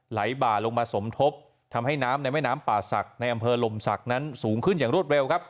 ไหลบ่าลงมาสมทบทำให้น้ำในแม่น้ำป่าศักดิ์ในอำเภอลมศักดิ์นั้นสูงขึ้นอย่างรวดเร็วครับ